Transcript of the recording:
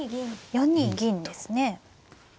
４二銀ですね。